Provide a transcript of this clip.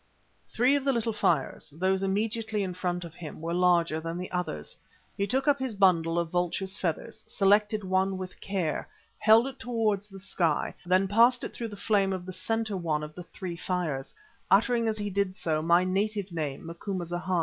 Three of the little fires, those immediately in front of him, were larger than the others. He took up his bundle of vultures' feathers, selected one with care, held it towards the sky, then passed it through the flame of the centre one of the three fires, uttering as he did so, my native name, Macumazana.